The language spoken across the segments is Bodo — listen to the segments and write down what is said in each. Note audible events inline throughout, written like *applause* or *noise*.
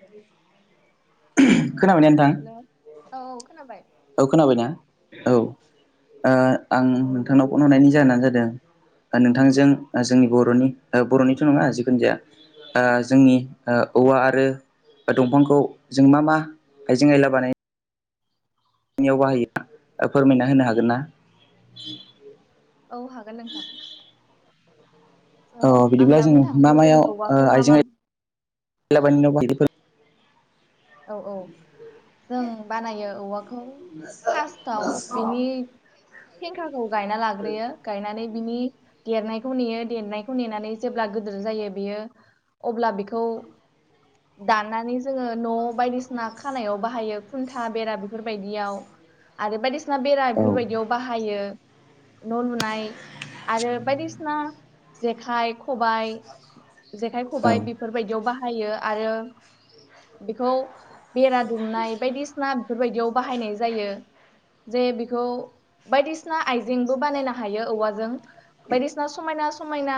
बिदिनो हेल' औ औ खोनाबाय औ खोनाबाय ना? औ ओ आं नोंथांनाव फन हरनायनि जाहोनानो जादों। ओ नोंथांजों ओ जोंनि बर'नि बर'निथ' नङा जिखुनु जाया आ जोंनि ओ औवा आरो ओ दंफांखौ जों मा मा आइजें आयला बानाय‌ खामानियाव बाहायोब्ला ओ फोरमायना होनो हागोन ना? औ हागोन नोंथां। औ स' आं बिदिब्ला दा बुंनो जों मा थांसै जों मायाव ओ औवाखौ मा आइजें मा आयला *unintelligible* औ औ जों बानायो। औवाखौ फार्स्ट थाउ बिनि फेंखाखौ गायना लाग्रोयो। गायनानै बिनि देरनायखौ नेयो देरनायखौ नेनानै जेब्ला गोदोर जायो बेयो अब्ला बेखौ बारनानै जोंङो न' बायदिसिना खानायाव बाहायो।। खुन्था बेरा बेफोरबायदियाव आरो बायदिसिना बेरा औ बेफोरबायदियाव बाहायो। न' लुनाय आरो बायदिसिना जेखाइ, खबाइ जेखाइ औ खबाइ बेफोरबायदियाव बाहायो। आरो बेखौ बेरा दुमनाय बायदिसिना बेफोरबायदियाव बाहायनाय जायो। जे बेखौ बायदिसिना आइजेंबो बानायनो हायो औवाजों। बायदिसिना समायना समायना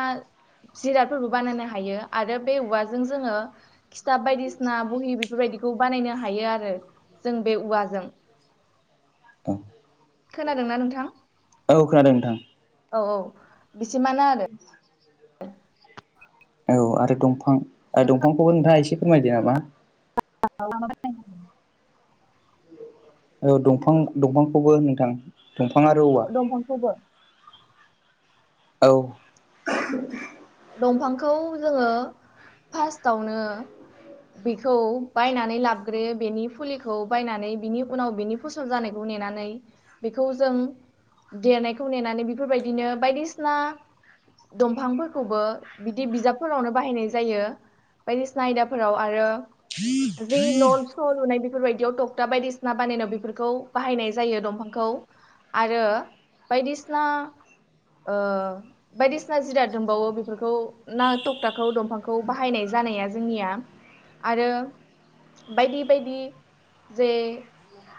जिरादफोरबो बानायनो हायो। छआरो बे औवाजों जोङो खिथाब बायदिसिना बहि बेफोरबायदि खौ बानायनो हायो आरो जों बे औवाजों। औ खोनादोंना नोंथां? औ खोनादों नोंथां। बेसिमानो आरो। औ आरो दंफां दंफांखौबो नोंथाङा एसे फोरमायदो नामा? *unintelligible* औ दंफां दंफांखौबो नोंथां। दंफां आरो औवा दंफांखौबो औ दंफांखौ जोङो फार्स्टावनो बेखौ बायनानै लाबग्रोयो। बेनि फुलिखौ बायनानै बिनि उनाव बेनि फसल जानायखौ नेनानै बेखौ जों देनायखौ नेनानै बेफोरबायदिनो बायदिसिना दंफांफोर खौबो बिदि बिजाबफोरावनो बाहायनाय जायो। बायदिसिना आयदाफोराव आरो जि न स लुनाय बेफोरबायायदियाव टक्टा बायदिसिना बानायनायाव बेफोरखौ बाहायनाय जायो दंफांखौ। औ आरो बायदिसिना ओ बायदिसिना जिराद दंबावो बेफोरखौ ना थकथाखौ दंफांखौ बाहायनाय जानाया जोंनिया आरो बायदि बायदि जे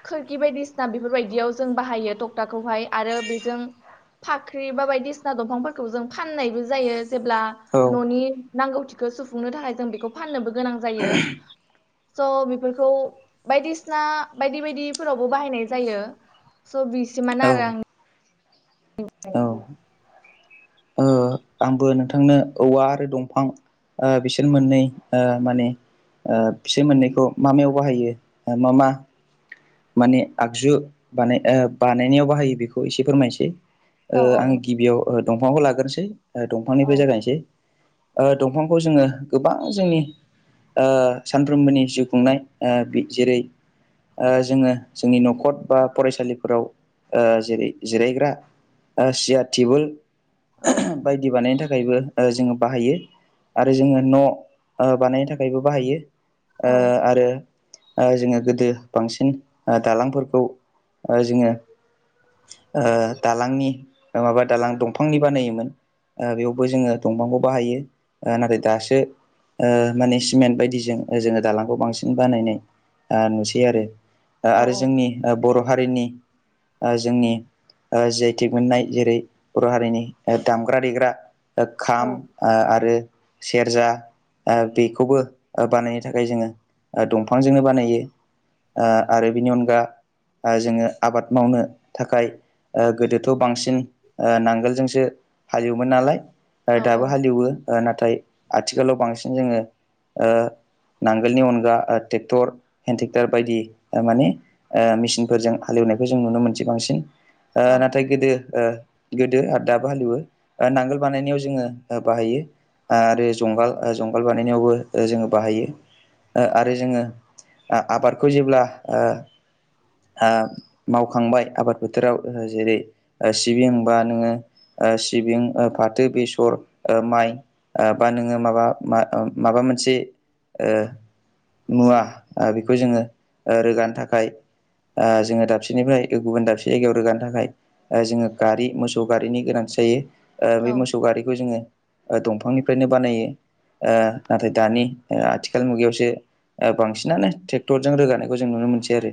खोरखि बायदिसिना बेफोरबायदियाव जों बाहायो टक्टाखौहाय। आरो बेजों फाख्रि बा बायदिसिना दंफांफोरखौ जों फाननायबो जायो। जेब्ला औ ननि नांगौथिखौ सुफुंनो थाखाय जों बेखौ फाननोबो गोनां जायो। स' बेफोरखौ बायदिसिना बायदि बायदिफोरावबो बाहायनाय जायो। स' बिसिमानो औ आरो आं औ *unintelligible* ओ आंबो नोंथांनो औवा आरो दंफां ओ बिसोर मोननै ओ माने ओ बिसोर मोननैखौ मा मायाव बाहायो ओ मा मा माने आगजु बानाय ओ बानायनायाव बाहायो बेखौ एसे फोरमायसै। ओ आं आङो औ गिबियाव ओ दंफांखौ लाग्रोनोसै ओ औ दंफांनिफ्राय जागायसै। ओ दंफांखौ जोङो गोबां जोंनि सानफ्रोमबोनि जिउ खुंनाय जेरै जोङो जोंनि नखर बा फरायसालिफोराव जेरै जिरायग्रा मासि आरांगा औ बायदि बानायनो थाखायबो जोङो बाहायो आरो जोङो न बानायनो थाखायबो बाहायो औ आरो जोङो गोदो बांसिन दालांफोरखौ जों दालांनि माबा दालां दंफांनि बानायोमोन बेयावबो जोङो दंफांखौ बाहायो नाथाय दासो माने सिमेन्ट बायदिजों जोङो दालांखौ बांसिन बानायनाय नुसै आरो औ आरो जोंनि बर' हारिनि जोंनि जि आइ टेक मोननाय जेरै बर हारिनि दामग्रा दामग्रा देग्रा औ खाम आरो सेरजा बेखौबो बानायनो थाखाय जोङो दंफांजोंनो बानायो आरो बिनि अनगा जोङो आबाद मावनो थाखाय गोदोथ' बांसिन नांगोलजोंसो हाल एवोमोन नालाय दाबो औ हाल एवो नाथाय आथिखालाव बांसिन जोङो ओ नांगोलनि अनगा ट्रेक्टर हेण्ड ट्रेक्टर बायदि माने मेसिनफोरजों हाल एवो हाल एवनायखौ जों नुनो मोनसै बांसिन औ नाथाय गोदो आरो दाबो हाल एवो नांगोल बानायनायाव जोङो बाहायो आरो जंगाल बानायनायावबो जोङो बाहायो आरो जोङो आबादखौ जेब्ला मावखांबाय आबाद बोथोराव जेरै सिबिं बा नोङो सिबिं फाथो बेसर माइ आ बा नोङो माबा मा ओ माबा मोनसे ओ मुवा बेखौ जोङो रोगानो थाखाय जोङो दाबसेनिफ्राय गुबुन दाबसे जायगायाव रोगानो थाखाय जोंनो गारि मोसौ गारिनि गोनांथि जायो औ बे मोसौ गारिखौ जोङो दंफांनिफ्रायनो बानायो नाथाय दानि आथिखाल मुगायावसो बांसिनानो ट्रेक्टरजों रोगानायखौ जों नुनो मोनसै आरो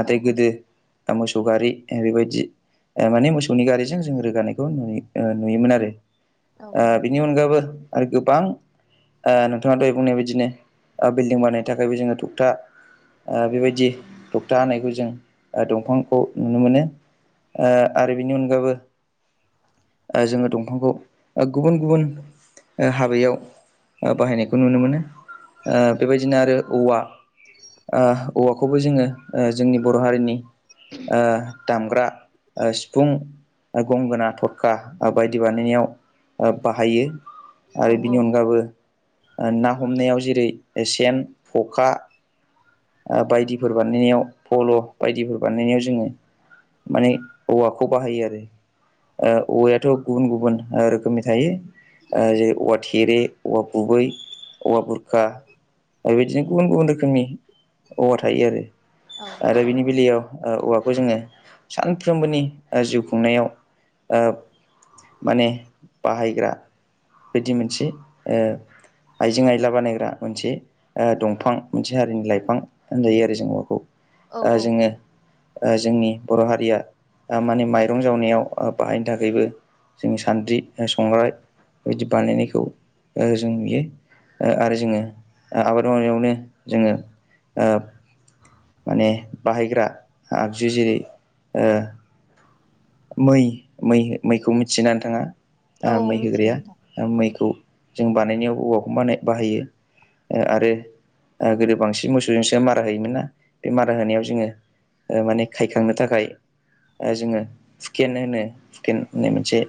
नाथाय गोदो मोसौ गारि बेबायदि माने मोसौनि गारिजों जों रोगानायखौ नुनो मोनोमोन नुयोमोन आरो बिनि अनगाबबो आरो गोबां नोंथाङा दहाय बुंनाय बादिनो बिल्डिं बानायनो थाखायबो जोङो थगथा बेबायदि तखथा हानायखौ जों दंफांखौ नुनो मोनो आरो बेनि अनगाबो जोङो दंफांखौ गुबुन गुबुन हाबायाव बाहायनायखौ नुनो मोनो बेबायदिनो आरो औवा औवाखौबो जोङो जोंनि बर' हारिनि दामग्रा सिफुं गंगोना थरखा बायदि बानायनायाव बाहायो आरो बिनि अनगाबो ना हमनायाव जेरै सेन खखा बायदिफोर बानायनायाव पल' बायदिफोर बानायनायाव जोङो माने औवाखौ बाहायो आरो औवायाथ' गुबुन गुबुन रोखोमनि थायो जेरै औवा थेरे औवा गुबै औवा बुरखा बेबायदिनो गुबुन गुबुन रोखोमनि औवा थायो आरो आरो बिनि बेलायाव औवाफोरखौ जोङो सानफ्रोमबोनि जिउ खुंनायाव माने बाहायग्रा बिदि मोनसे ओ आइजें आइला बानायग्रा मोनसे ओ दंफां मोनसे हारिनि लाइफां होनजायो आरो जों अखौ औ आ जोङो आ जोंनि बर' हारिया माने माइरं जावनायाव आ बाहायनो थाखायबो जों सान्द्रि संग्राय बिदि बानायनायखौ ओ जों नुयो ओ आरो जोङो आबाद मावनायावनो जोङो ओ माने बाहायग्रा आगजु जेरै ओ मै मै मैखौ मिथिनानै थाङा आ औ मै मिथियो होग्राया मैखौ जों बानायनायाव हवाखौ बाहायो आरो। गोदो बांसिन मोसौजोंसो मारा होयोमोन ना बे मारा होनायाव जोंङो। माने खायखांनो थाखाय जोंङो। हुखेन होनो हुखेन होननाय मोनसे।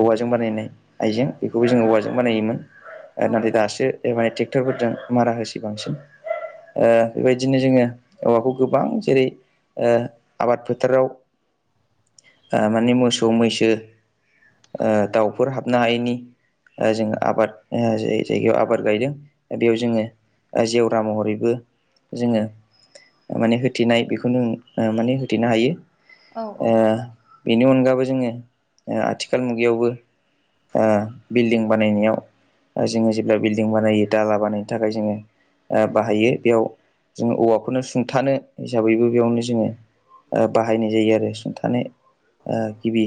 औवाजों बानायनाय आइजें बेखौबो जोंइो औवाजों बानायोमोन। औ नाथाय दासो एमाय ट्रेक्टरफोरजों मारा होसै बांसिन। बेबायदिनो जोंङो औवाखौ गोबां जेरै। आबाद फोथाराव माने मोसौ मैसो। दाउफोर हाबनो हायैनि। जोंङो आबाद जे जायगायाव आबाद गायदों बेयाव जोंङो। जेवरा महरैबो जोंङो। माने होथेनाय बेखौनो माने होथेनो हायो। औ बेनि अनगाबो जोंङो आथिखाल मुगायावबो। बिल्डिं बानायनायाव। जोंङो जेब्ला बिल्डिं बानायो दाला बानायनो थाखाय जोंङो। बाहायो बेयाव जों औवाखौनो सुंथानो हिसाबैबो बेयावनो जोंङो। बाहायनाय जायो आरो सुंथानाय। गिबि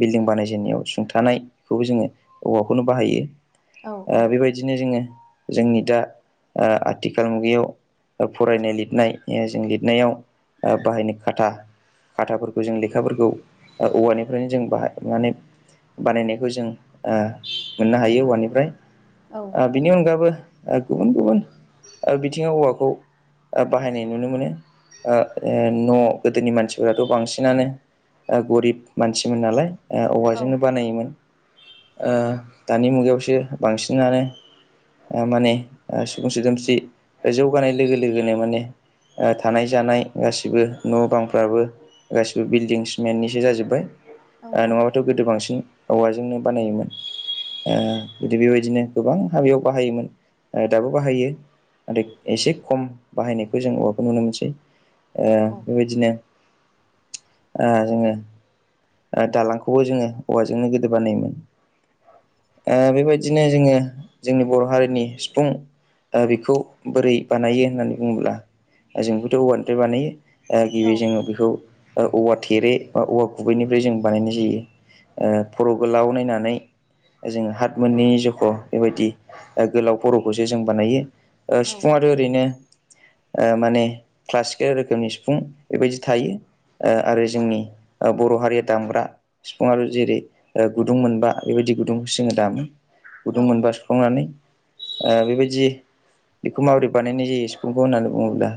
बिल्डिं बानायजेननायाव सुंथानाय बेखौबो जोंङो औवाखौनो बाहायो। औ औ बेबायदिनो जोंङो जोंनि दा आथिखाल मुगायाव। फरायनाय लिरनाय जों लिरनायाव बाहायनो खाथा खाथाफोरखौ। जों लेखाफोरखौ औवानिफ्रायनो जों बाहाय माने। बानायनायखौ जों मोननो हायो औवानिफ्राय औ बेनि अनगाबो। गुबुन गुबुन बिथिङाव औवाखौ। बाहायनाय नुनो मोनो न' गोदोनि मानसिफोराथ' बांसिन। बिसिनानो गरिब मानसिमोन नालाय औ औवाजोंनो बानायोमोन। दानि मुगायावसो बांसिनानो। माने सुबुं दोमस्रि जौगानाय लोगो लोगोनो माने। थानाय जानाय गासिबो न' बांफ्राबो। गासिबो बिल्डं सिमेननिसो जाजोब्बाय औ नङाबाथ' गोदो बांसिन। औवाजोंनो बानायोमोन। गीदी बेबायदिनो गोबां हाबायव बाहायोमोन दाबो बाहायो। नाथाय एसे खम बाहायनायखौ जों औवाखौ नुनो मोनसै। ओ औ बेबायदिनो ओ जोंङो। दालांखौबो जोंङो औवाजोंनो गोदो बानायोमोन। ओ बेबायदिनो जोंङो जोंनि बर' हारिनि सिफुं। ओ बेखौ बोरै बानायो होननानै बुङोब्ला जोंबोथ' औवानिफ्राय बानायो। ओ गिबि औ जोंङो बेखौ औवा थेरे औवा। अबेनिफ्रय जों बानायनाय जायो फर' बोलाव नायनानै। जों हात मोननै जख' बेबायदि गोलाव फर'खौसो जों बानायो। ओ औ सिफुंआथ' ओरैनो। माने क्लासिकेल रोखोमनि सिफुं बेबायदि थायो। ओ आरो जोंनि। बर' हारिया दामग्रा बिफुंआ जेरै गुदुं मोनबा बेबायदि गुदुंखौ जोंङो दामो। गुदुं मोनबा सुप्लंनानै। बेबायदि बेखौ माबोरै बानायनाय जायो सिफुंखौ होननानै बुङोब्ला।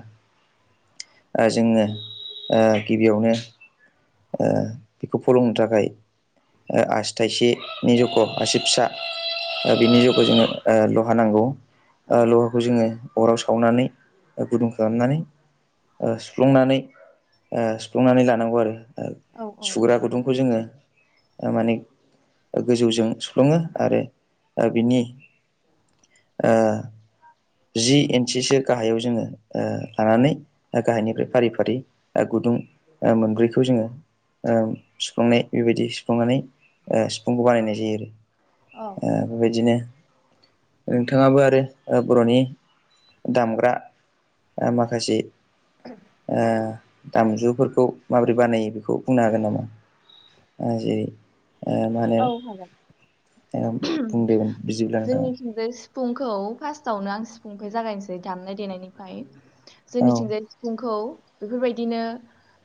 ओ जोंङो ओ गिबियावनो। ओ बेखौ फलोंनो थाखाय। ओ आसि थाइसेनि ओ जख आसि फिसा बिनि जख जोङो ल'हा नांगौ। लहाखौ जोंङो अराव सावनानै गुदुं खालामनानै। सुफ्लंनानै सुफ्लंनानै लानांगौ आरो। औ सुग्रा गुदुंखौ जोङो माने गोजौजों सुफ्लुङो आरो बिनि जि इन्सिसो गाहायाव जोङो लानानै गाहायनिफ्राय फारि फारि गुदुं मोनब्रैखौ जोङो सुफुंनाय बेबायदि सुफुंनानै सिफुंखौ बानायनाय जायो आरो। औ बेबायदिनो नोंथाङाबो आरो बर'नि दामग्रा माखासे दामजुफोरखौ माबोरै बानायो बेखौ बुंनो हागोन नामा जेरै मा होनो हागोन बुंदों बिदिब्ला नोंथाङा जोंनिथिंजाय सिफुंखौ फास्थआवनो आं सिफुंनिफ्राय जागायनोसै दामनाय देनायनिफ्राय औ जोंनिथिंजाय सिफुंखौ बेफोरबाय बायदिनो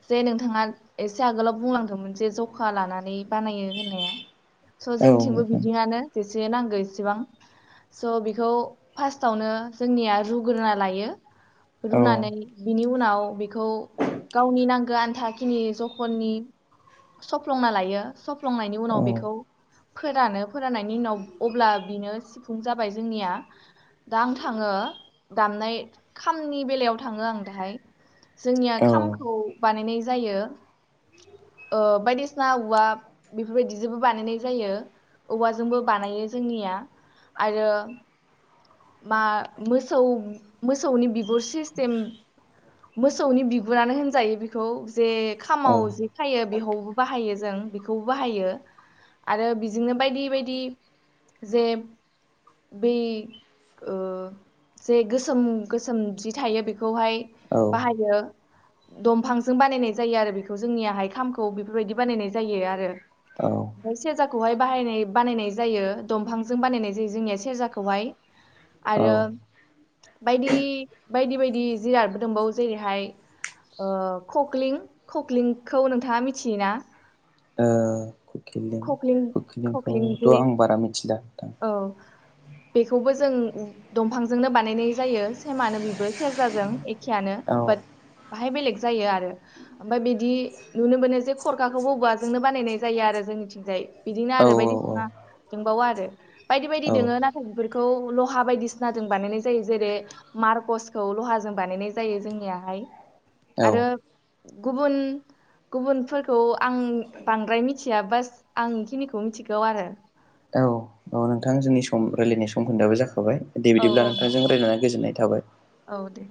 जे नोंथाङा एसे आगोलाव बुंलांदोंमोन जे जखा लानानै बानायो होननाया। स' औ जोंनिथिंबो नोंथां बिदिङानो। नांगौ इसेबां। स' बेखौ फार्स्टावनो जोंनिया रुग्रोना लायो। औ रुनानै बिनि उनाव बेखौ गावनि नांगो आन्था खिनि जखननि सफ्लंना लायो सफ्लंनायनि उनाव औ बेखौ फोरानो फोर फोरनायनि उनाव अब्ला बिनो सिफुं जाबाय जोंनिया। दा आं थाङो दामनाय खामनि बेलायाव थाङो आं दाहाय जोंनिया औ खामखौ बानायनाय जायो। बायदिसिना औवा बेफोरबायदिजोंबो बानायनाय जायो। औवाजोंबो बानायो जोंनिया आरो मा मोसौ मोसौनि बिगुर सिस्टेम मोसौनि बिगुरानो होनजायो बेखौ जे खामाव जे खायो बेबो बाहायो जों बेखौबो बाहायो आरो बिजोंनो बायदि बायदि जे बै जे गोसोम गोसोम जि थायो बेखौहाय औ बाहायो। दंफांजों बानायनाय जायो आरो बेखौ जोंनिहाय खामखौ बेफोरबायदि बानायनाय जायो आरो। औ सेजाखौहाय बाहायनाय बानायनाय जायो दंफांजों बानायनाय जायो जोंनिया सेरजाखौहाय। औ आरो बायदि बायदि बायदि जिरादबो दंबावो जेरैहाय ककलिं ककलिंखौ नोंथाङा मिथियोना। कुकिलिं खख्लिं खख्लिं कुकिलिंखौथ' जे आं बारा मिथिला। नोंथां औ। बेखौबो जों दंफांजोंनो बानायनाय जायो सेमानो बेबो सेरजाजों एखेआनो औ बाट बाहाय बेलेग जायो आरो ओमफ्राय बिदि नुनो मोनो जे खरखाखौ औवाजोंनो बानायनाय जायो आरो। जोंनिथिंजाय बिदिनो औ आरो बायदिसिना दंबावो आरो। बायदि बायदि औ दोङो नाथाय बेफोरखौ लहा बायदिसिनाजों बानायनाय जायो जेरै मारकसखौ लहाजों बानायनाय जायो जोंनियाहाय औ आरो गुबुन गुबुनफोरखौ आं बांद्राय मिथिया। बास आं बेखिनिखौ मिथिगौ आरो। औ। औ नोंथां जोंनि सम रायलायनाय समखोन्दोआबो जाखाबाय। दे औ बिदिब्ला नोंथां। नोंथांजों रायलायनानै गोजोननाय थाबाय। औ दे